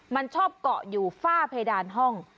มันชอบเกาะอยู่ฝ้าเพดานห้อง